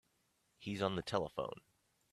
He's on the telephone.